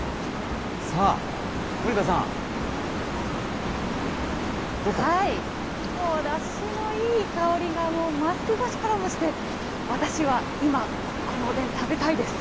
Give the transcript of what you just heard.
さあ、もうだしのいい香りが、マスク越しからもして、私は今、このおでん、食べたいです。